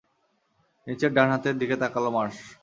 নিজের ডান হাতের দিকে তাকালো মার্শ।